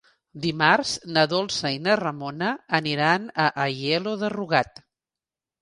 Dimarts na Dolça i na Ramona aniran a Aielo de Rugat.